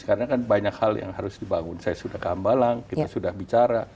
karena kan banyak hal yang harus dibangun saya sudah ke ambalang kita sudah bicara